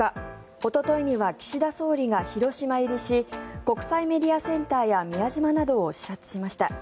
おとといには岸田総理が広島入りし国際メディアセンターや宮島などを視察しました。